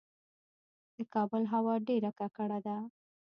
د کابل هوا ډیره ککړه ده